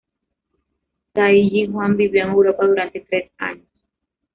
Sai Jinhua vivió en Europa durante tres años.